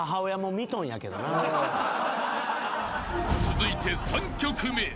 ［続いて３曲目］